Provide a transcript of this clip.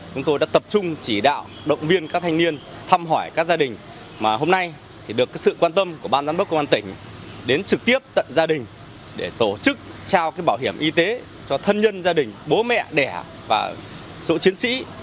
chúng tôi đã tập trung chỉ đạo động viên các thanh niên thăm hỏi các gia đình mà hôm nay được sự quan tâm của ban giám đốc công an tỉnh đến trực tiếp tận gia đình để tổ chức trao bảo hiểm y tế cho thân nhân gia đình bố mẹ đẻ và chỗ chiến sĩ